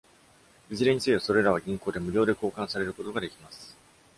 いずれにせよ、それらは銀行で無料で交換されることができます。